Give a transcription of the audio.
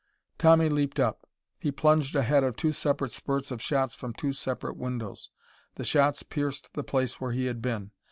Tommy leaped up. He plunged ahead of two separate spurts of shots from two separate windows. The shots pierced the place where he had been.